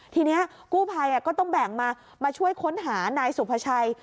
ทีนี้กู้ภัยก็ต้องแบ่งมามาช่วยค้นหานายสุภาชัย